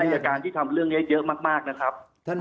และไอาจารย์ที่ทำเรื่องนี้เยอะมากนะครับ